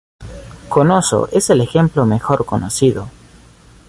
Cnosos es el ejemplo mejor conocido.